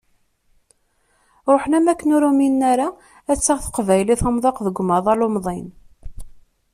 Ṛuḥen am wakken ur uminen ara ad taɣ teqbaylit amdiq deg umaḍal umḍin.